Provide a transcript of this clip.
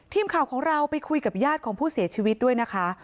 ทีมข่าวของเราไปคุยกับญาติของผู้เสียชีวิตด้วยนะคะ